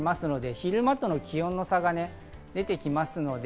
昼間との気温の差が出てきます。